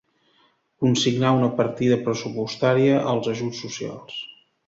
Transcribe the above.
Consignar una partida pressupostària als ajuts socials.